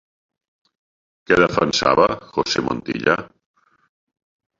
Què defensava José Montilla?